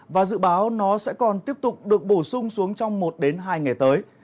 và dự báo nó sẽ còn tiếp tục được bổ sung xuống trong một hai ngày tới